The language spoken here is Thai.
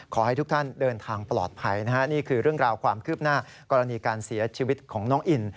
ขอให้ทุกท่านเดินทางปลอดภัยนะฮะนี่คือเรื่องราวความคืบหน้ากรณีการเสียชีวิตของน้องอิน